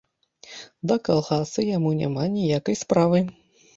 Да калгаса яму няма ніякай справы.